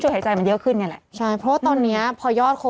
เพื่อไม่ให้เชื้อมันกระจายหรือว่าขยายตัวเพิ่มมากขึ้น